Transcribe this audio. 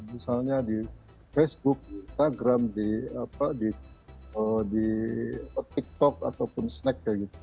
misalnya di facebook instagram di tiktok ataupun snack